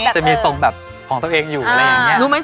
จะมีทรงแบบของตัวเองอยู่อะไรอย่างนี้